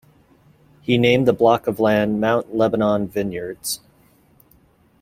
He named the block of land Mount Lebanon Vineyards.